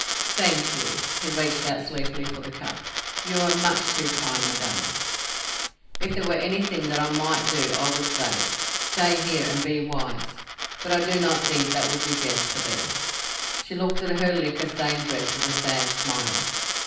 "Thank you." He reached out sleepily for the cup. "You are much too kind, Madame." "If there were anything that I might do I would say, stay here and be wise; but I do not think that would be best for thee." She looked at her liquor stained dress with a sad smile.